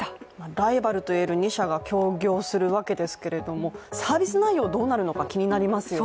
ライバルと言える２社が協業するわけですけど、サービス内容どうなるのか気になりますよね。